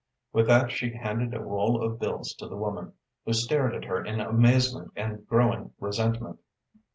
With that she handed a roll of bills to the woman, who stared at her in amazement and growing resentment.